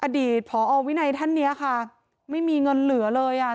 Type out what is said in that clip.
อดีตผอวินัยท่านเนี้ยค่ะไม่มีเงินเหลือเลยอ่ะ